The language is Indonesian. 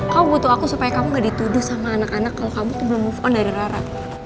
kamu butuh aku supaya kamu gak dituduh sama anak anak kalau kamu tuh belum move on dari rara